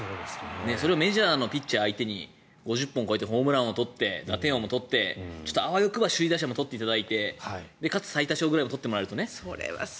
それをメジャーのピッチャー相手に５０本超えてホームラン王取って打点王取ってあわよくば首位打者も取っていただいてかつ最多勝利を取ってもらえるとね。